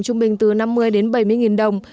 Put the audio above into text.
trung bình từ năm mươi đến bảy mươi nghìn đồng